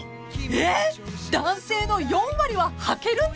［えっ！？男性の４割ははけるんですか！？］